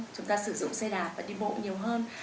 chúng ta sử dụng xe đạp và đi bộ nhiều hơn